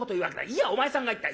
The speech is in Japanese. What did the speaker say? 『いやお前さんが言った』。